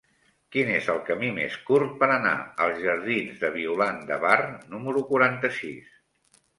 Quin és el camí més curt per anar als jardins de Violant de Bar número quaranta-sis?